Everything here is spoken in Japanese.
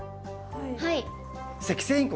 はい。